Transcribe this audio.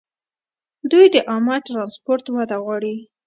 دوی د عامه ټرانسپورټ وده غواړي.